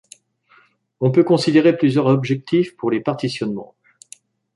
On peut considérer plusieurs objectifs pour les partitionnements.